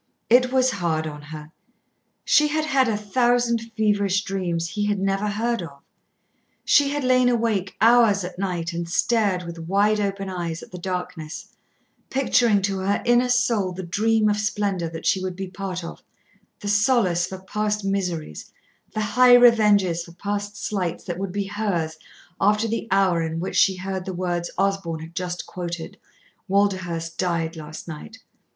It was hard on her. She had had a thousand feverish dreams he had never heard of. She had lain awake hours at night and stared with wide open eyes at the darkness, picturing to her inner soul the dream of splendour that she would be part of, the solace for past miseries, the high revenges for past slights that would be hers after the hour in which she heard the words Osborn had just quoted, "Walderhurst died last night!"